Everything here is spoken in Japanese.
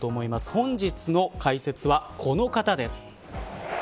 本日の解説はこの方です。